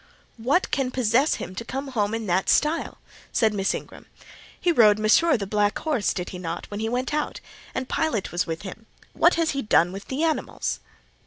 "What can possess him to come home in that style?" said Miss Ingram. "He rode Mesrour (the black horse), did he not, when he went out? and Pilot was with him:—what has he done with the animals?"